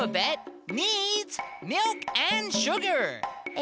え